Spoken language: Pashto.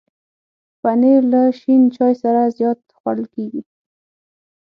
پنېر له شین چای سره زیات خوړل کېږي.